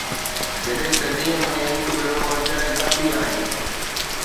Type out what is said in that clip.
جڏهن ته ڏينهن ۾ هڪ ڀيرو ورجائي ڪافي آهي